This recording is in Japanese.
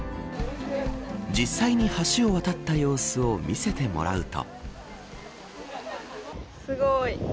実際に橋を渡った様子を見せてもらうと。